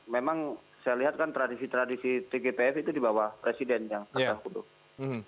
memang saya lihat kan tradisi tradisi tgpf itu di bawah presiden yang katakan